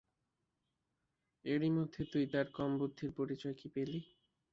এরই মধ্যে তুই তার কম বুদ্ধির পরিচয় কী পেলি।